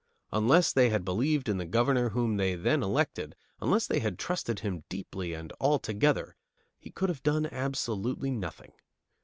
Unless they had believed in the Governor whom they then elected, unless they had trusted him deeply and altogether, he could have done absolutely nothing.